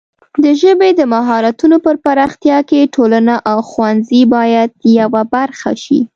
د ژبې د مهارتونو پر پراختیا کې ټولنه او ښوونځي باید یوه برخه شي.